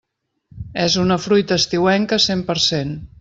És una fruita estiuenca cent per cent.